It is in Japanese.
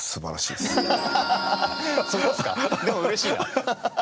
でもうれしいな。